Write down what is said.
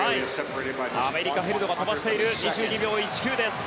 アメリカ、ヘルドが飛ばしている２２秒１９です。